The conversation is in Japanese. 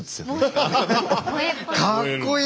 「かっこいい！」